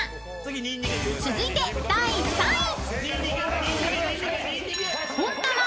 ［続いて第３位］